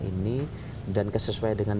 ini dan kesesuaian dengan